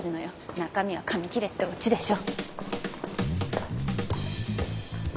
中身は紙切れってオチでしょ。